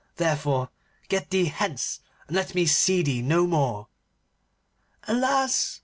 Therefore get thee hence, and let me see thee no more.' 'Alas!